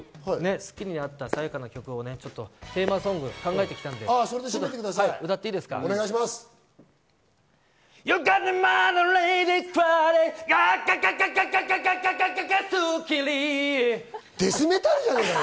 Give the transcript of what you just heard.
『スッキリ』にあった爽やかな曲、テーマソングを考えてきたので歌っていいですか？